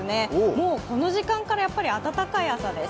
もうこの時間から暖かい朝です。